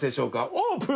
オープン！